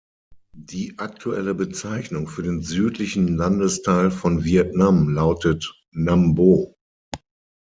Die aktuelle Bezeichnung für den südlichen Landesteil von Vietnam lautet Nam Bộ.